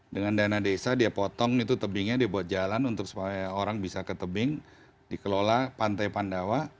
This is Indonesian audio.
dengan dana desa dia potong itu tebingnya dia buat jalan untuk supaya orang bisa ke tebing dikelola pantai pandawa